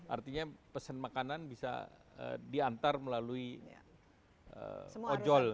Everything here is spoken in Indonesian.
artinya pesan makanan bisa diantar melalui ojol